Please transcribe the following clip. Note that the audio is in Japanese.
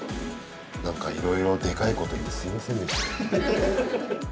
何かいろいろでかいこと言ってすみませんでした。